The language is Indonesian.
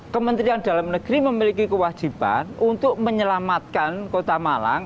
kementerian dalam negeri memiliki kewajiban untuk menyelamatkan kota malang